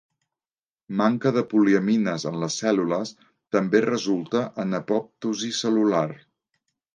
Manca de poliamines en les cèl·lules també resulta en apoptosi cel·lular.